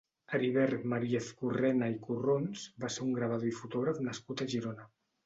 Heribert Mariezcurrena i Corrons va ser un gravador i fotògraf nascut a Girona.